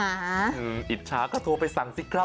ถ้าเป็นอิจฉาก็โทรไปสั่งสิครับ